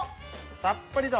たっぷりと。